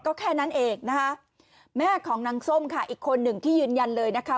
ก็แค่นั้นเองนะคะแม่ของนางส้มค่ะอีกคนหนึ่งที่ยืนยันเลยนะคะ